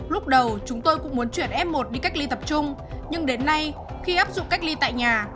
lúc đầu chúng tôi cũng muốn chuyển f một đi cách ly tập trung nhưng đến nay khi áp dụng cách ly tại nhà